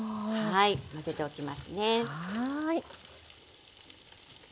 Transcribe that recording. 混ぜておきますね。